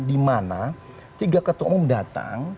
dimana tiga ketua umum datang